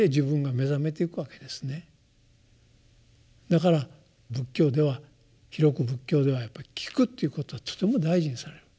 だから仏教では広く仏教ではやっぱり「聞く」ということはとても大事にされる。